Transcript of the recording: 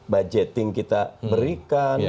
budgeting kita berikan